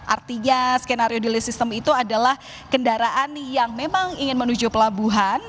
artinya skenario delay system itu adalah kendaraan yang memang ingin menuju pelabuhan